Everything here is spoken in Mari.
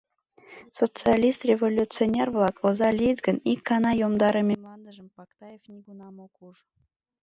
Социалист-революционер-влак оза лийыт гын, ик гана йомдарыме мландыжым Пактаев нигунам ок уж...